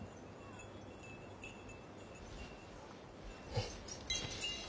うん。